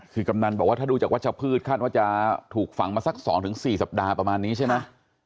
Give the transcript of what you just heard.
คือกำนันบอกว่าถ้าดูจากวัชพืชคาดว่าจะถูกฝังมาสัก๒๔สัปดาห์ประมาณนี้ใช่ไหม